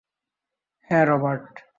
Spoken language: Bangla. হ্যাঁ, রবার্ট।